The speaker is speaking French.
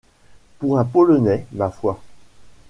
Pour un Polonais, ma foi !…